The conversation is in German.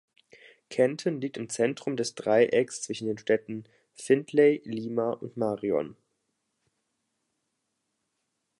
Kenton liegt im Zentrum des Dreiecks zwischen den Städten Findlay, Lima und Marion.